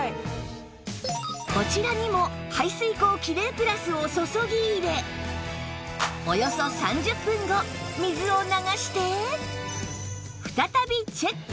こちらにも排水口キレイプラスを注ぎ入れおよそ３０分後水を流して再びチェック。